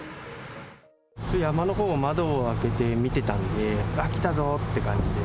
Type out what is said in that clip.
山のほうを窓を開けて見てたんで、あ、来たぞって感じで。